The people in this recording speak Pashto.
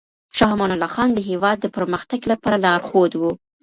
شاه امان الله خان د هېواد د پرمختګ لپاره لارښود و.